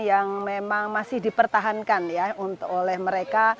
yang memang masih dipertahankan ya oleh mereka